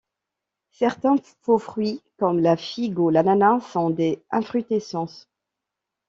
Certains faux-fruits comme la figue ou l'ananas sont des infrutescences.